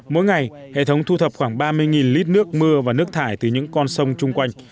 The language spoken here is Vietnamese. mỗi ngày hệ thống thu thập khoảng ba mươi lít nước mưa và nước thải từ những con sông chung quanh